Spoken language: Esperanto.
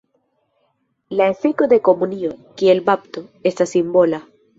La efiko de komunio, kiel bapto, estas simbola.